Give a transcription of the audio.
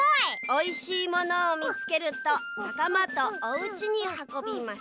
「おいしいものをみつけるとなかまとおうちにはこびます」。